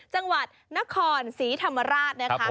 จังหวัดนครศรีธรรมราชนะคะ